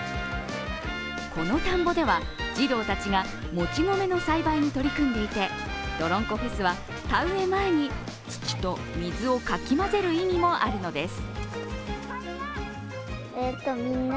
この田んぼでは、児童たちがもち米の栽培に取り組んでいて、どろんこフェスは田植え前に土と水をかき混ぜる意味もあるのです。